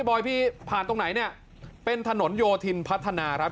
บอยพี่ผ่านตรงไหนเนี่ยเป็นถนนโยธินพัฒนาครับ